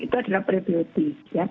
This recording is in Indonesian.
itu adalah prebiotik